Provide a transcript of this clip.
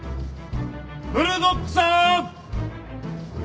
ブルドッグさーん！